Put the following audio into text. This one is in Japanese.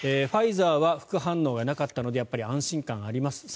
ファイザーは副反応がなかったので安心感があります。